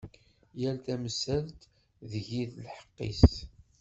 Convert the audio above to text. Yal tamsalt, deg-i lḥeqq-is.